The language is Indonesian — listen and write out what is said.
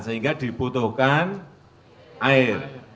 sehingga dibutuhkan air